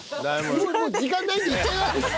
もう時間ないんでいっちゃいます！